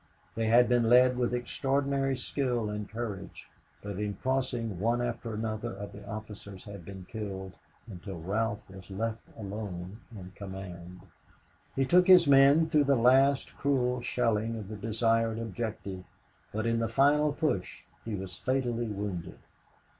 They had been led with extraordinary skill and courage, but in crossing one after another of the officers had been killed until Ralph was left alone in command. He took his men through the last cruel shelling to the desired objective, but in the final push he was fatally wounded.